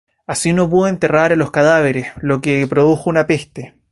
Así no se pudo enterrar a los cadáveres, lo que produjo una peste.